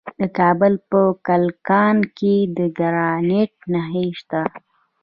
د کابل په کلکان کې د ګرانیټ نښې شته.